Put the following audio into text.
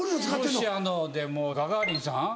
ロシアのでもうガガーリンさん？